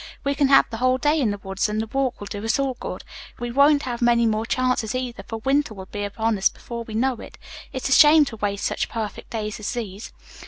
We can have the whole day in the woods, and the walk will do us all good. We won't have many more chances, either, for winter will be upon us before we know it. It's a shame to waste such perfect days as these."